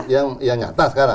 yang nyata sekarang